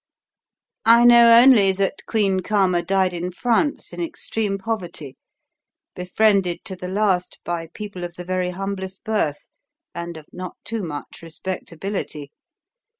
"I know only that Queen Karma died in France, in extreme poverty, befriended to the last by people of the very humblest birth and of not too much respectability.